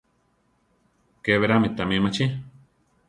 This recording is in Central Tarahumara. Ke berá mi tami machí.